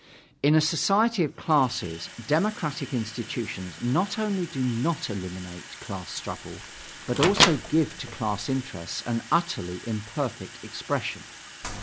In a society of classes, democratic institutions not only do not eliminate class struggle, but also give to class interests an utterly imperfect expression.